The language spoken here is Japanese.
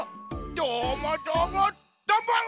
どーもどーもどーも！